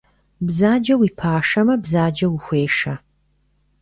Бзаджэ уи пашэмэ, бзаджэ ухуешэ.